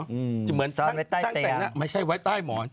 เหมือนช่างแต่งหน้าไม่ใช่ไว้ใต้หมอน